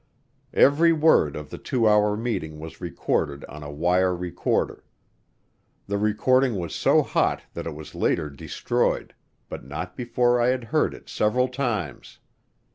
Every word of the two hour meeting was recorded on a wire recorder. The recording was so hot that it was later destroyed, but not before I had heard it several times.